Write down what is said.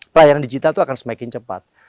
pelayanan digital itu akan semakin cepat